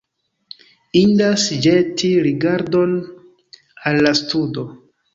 Indas ĵeti rigardon al la studo.